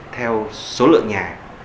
theo số lượng nhà